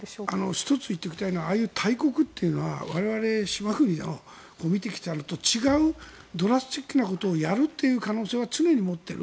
１つ言っておきたいのはああいう大国というのは我々、島国が見てきたのと違うドラスチックなことをやる可能性は常に持っている。